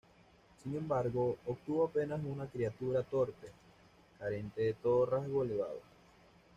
Sin embargo, obtuvo apenas una criatura torpe, carente de todo rasgo elevado.